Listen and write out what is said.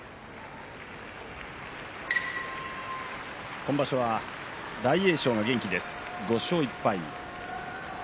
今場所は大栄翔が元気です５勝１敗。